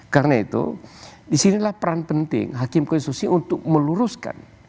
karena itu disinilah peran penting hakim konstitusi untuk meluruskan